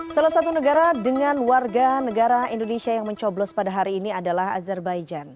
salah satu negara dengan warga negara indonesia yang mencoblos pada hari ini adalah azerbaijan